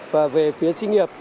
và về phía xí nghiệp